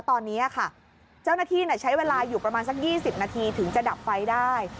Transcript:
ที่สะลดกว่าเดิมเพราะอะไร